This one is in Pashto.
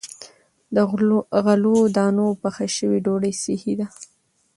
د غلو- دانو پخه شوې ډوډۍ صحي ده.